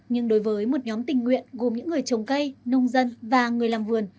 nhưng đối với một nhóm tình nguyện gồm những người trồng cây nông dân và người làm vườn